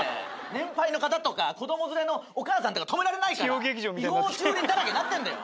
年配の方とか子供連れのお母さんとか停められないから違法駐輪だらけになってんだよ。